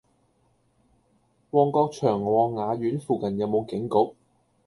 旺角長旺雅苑附近有無警局？